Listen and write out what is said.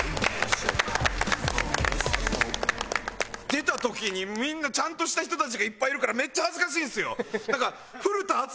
出た時にみんなちゃんとした人たちがいっぱいいるからめっちゃ恥ずかしいんですよ。